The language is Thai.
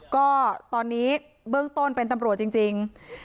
ก็ตอนนี้เบื้องต้นเป็นตำรวจจริง